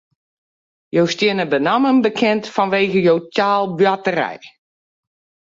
Jo steane benammen bekend fanwege jo taalboarterij.